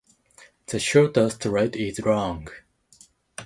The shorter straight is long.